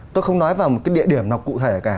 tôi không nói vào một cái địa điểm nào cụ thể cả